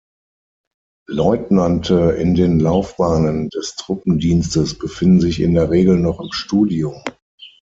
Leutnante in den Laufbahnen des Truppendienstes befinden sich in der Regel noch im Studium.